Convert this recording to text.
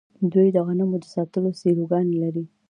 دوی د غنمو د ساتلو سیلوګانې لري.